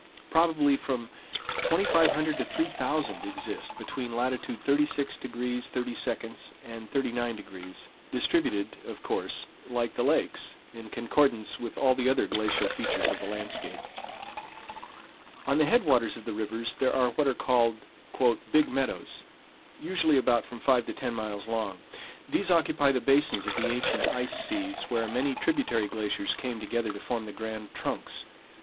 Probably from 2500 to 3000 exist between latitude 36° 30′ and 39°, distributed, of course, like the lakes, in concordance with all the other glacial features of the landscape. On the head waters of the rivers there are what are called "Big Meadows," usually about from five to ten miles long. These occupy the basins of the ancient ice seas, where many tributary glaciers came together to form the grand trunks.